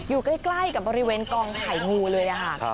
อยู่ใกล้กับบริเวณกองไข่งูเลยค่ะ